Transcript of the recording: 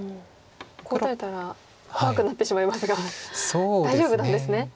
ここ打たれたら怖くなってしまいますが大丈夫なんですね？